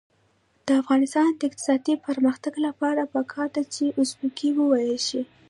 د افغانستان د اقتصادي پرمختګ لپاره پکار ده چې ازبکي وویل شي.